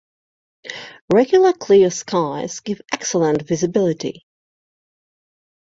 Regular clear skies give excellent visibility.